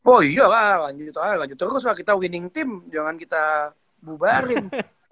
oh iya lah lanjut itu aja lanjut terus lah kita winning team jangan kita bubarin